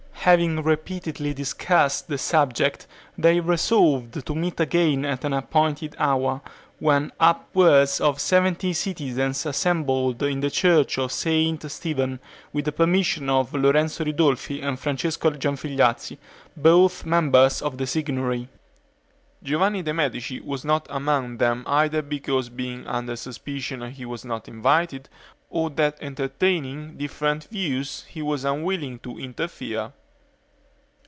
Having repeatedly discussed the subject, they resolved to meet again at an appointed hour, when upwards of seventy citizens assembled in the church of St. Stephen, with the permission of Lorenzo Ridolfi and Francesco Gianfigliazzi, both members of the Signory. Giovanni de' Medici was not among them either because being under suspicion he was not invited or that entertaining different views he was unwilling to interfere.